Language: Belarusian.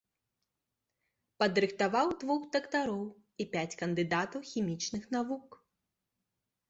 Падрыхтаваў двух дактароў і пяць кандыдатаў хімічных навук.